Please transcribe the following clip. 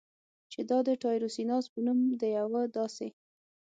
چې دا د ټایروسیناز په نوم د یوه داسې